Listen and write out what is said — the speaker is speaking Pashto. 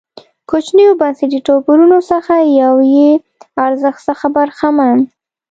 کوچنیو بنسټي توپیرونو څخه یو یې ارزښت څخه برخمن و.